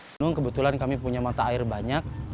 memang kebetulan kami punya mata air banyak